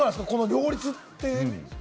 両立って。